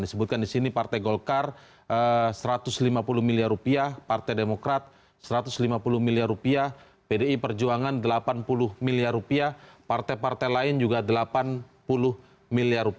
disebutkan di sini partai golkar rp satu ratus lima puluh miliar partai demokrat rp satu ratus lima puluh miliar pdi perjuangan rp delapan puluh miliar partai partai lain juga rp delapan puluh miliar